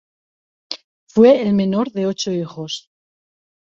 Fue el menor de ocho hijos.